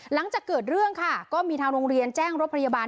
หลังจากเกิดเรื่องค่ะก็มีทางโรงเรียนแจ้งรถพยาบาล